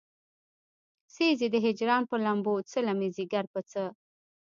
سيزې د هجران پۀ لمبو څله مې ځيګر پۀ څۀ